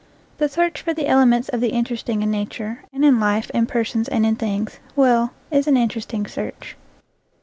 The search for the elements of the interesting in nature and in life, in persons and in things well, is an interesting search.